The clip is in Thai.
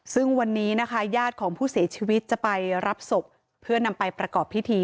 ซึ่งวันนี้นะคะญาติของผู้เสียชีวิตจะไปรับศพเพื่อนำไปประกอบพิธี